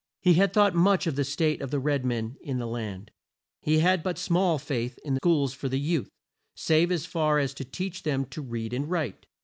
He had thought much of the state of the red men in the land. He had but small faith in schools for the youth, save as far as to teach them to read and write.